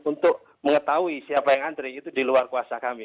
untuk mengetahui siapa yang antri itu di luar kuasa kami